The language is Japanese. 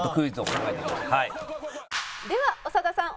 では長田さん